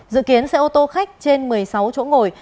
dự kiến xe ô tô khách trên một mươi sáu chỗ ngồi